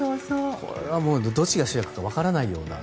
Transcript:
これはどっちが主役かわからないような。